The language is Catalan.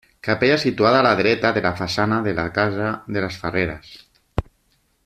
Capella situada a la dreta de la façana de la casa de les Ferreres.